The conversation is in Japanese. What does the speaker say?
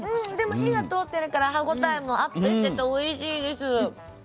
でも火が通ってるから歯応えもアップしてておいしいです。